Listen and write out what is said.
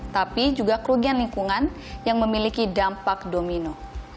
tapi juga kerugian lingkungan yang memiliki dampak domino